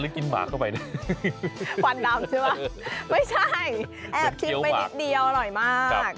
แล้วที่เก็บแล้วเดี๋ยวหมดหรือเปล่าปากออกมาแล้ว